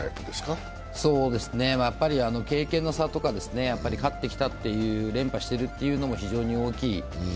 経験の差とか、勝ってきたという、連覇してるっていうのも非常に大きい。